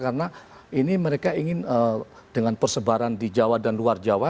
karena ini mereka ingin dengan persebaran di jawa dan luar jawa